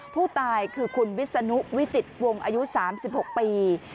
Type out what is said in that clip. ผู้ตายคือคุณวิศนุวิจิตวงอายุ๓๖ปี